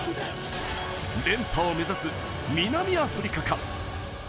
連覇を目指す南アフリカか？